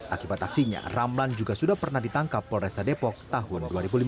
akibat aksinya ramlan juga sudah pernah ditangkap polresta depok tahun dua ribu lima belas